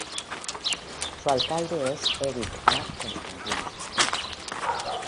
Su alcalde es Eric A. Constantino.